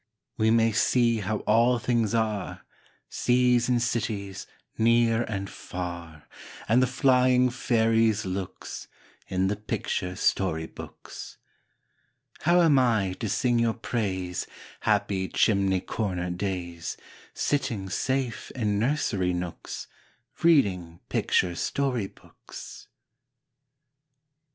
We may see how all things are, Seas and cities, near and far, And the flying fairies' looks, In the picture story books. How am I to sing your praise, Happy chimney corner days, Sitting safe in nursery nooks, Reading picture story books?